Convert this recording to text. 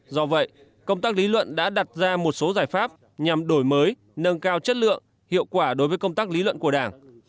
do vậy công tác lý luận đã đặt ra một số giải pháp nhằm đổi mới nâng cao chất lượng hiệu quả đối với công tác lý luận của đảng